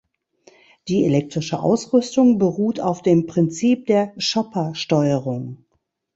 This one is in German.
Die elektrische Ausrüstung beruht auf dem Prinzip der Chopper-Steuerung.